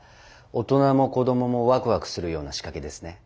大人も子供もワクワクするような仕掛けですね。